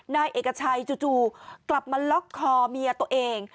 นายเอกชัยจู่กลับมาล็อกคอเมียตัวเอง